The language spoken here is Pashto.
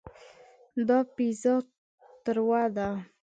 دا پیزا تروه ده.